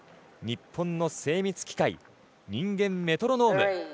日本の精密機械人間メトロノーム